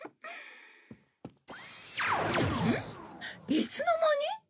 いつの間に？